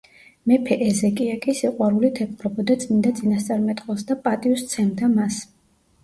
მეფე ეზეკია კი სიყვარულით ეპყრობოდა წმიდა წინასწარმეტყველს და პატივს სცემდა მას.